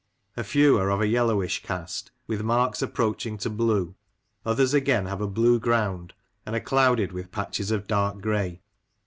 A few are of a yellowish cast, with marks approaching to blue ; others again have a blue ground, and are clouded with patches of dark grey.